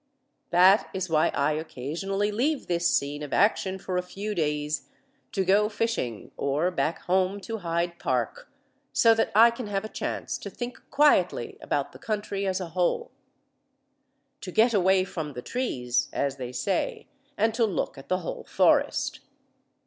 That is why I occasionally leave this scene of action for a few days to go fishing or back home to Hyde Park, so that I can have a chance to think quietly about the country as a whole. "To get away from the trees", as they say, "and to look at the whole forest."